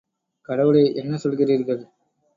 கடவுளே என்ன சொல்கிறீர்கள்.